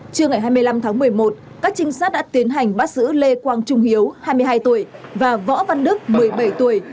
trưa ngày hai mươi năm tháng một mươi một các trinh sát đã tiến hành bắt giữ lê quang trung hiếu hai mươi hai tuổi và võ văn đức một mươi bảy tuổi